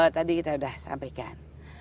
tadi kita sudah sampaikan